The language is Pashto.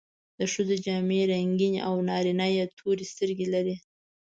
د ښځو جامې رنګینې او نارینه یې تورې سترګې لري.